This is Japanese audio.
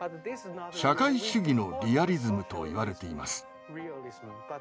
社会主義のリアリズムと言われています。